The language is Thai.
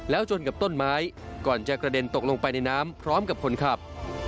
แล้วชนกับต้นไม้ก่อนจะกระเด็นตกลงไปในน้ำพร้อมกับคนขับ